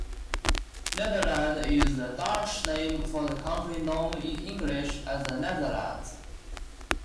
Nederland is the Dutch name for the country known in English as the Netherlands.